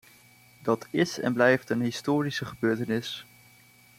Dat is en blijft een historische gebeurtenis.